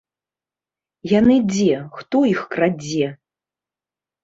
Яны дзе, хто іх крадзе?